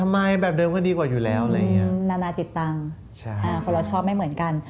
เรารู้สึกว่าดีขึ้นกว่าเดิม